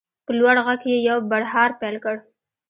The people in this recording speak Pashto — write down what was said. په لوړ غږ یې یو بړهار پیل کړ.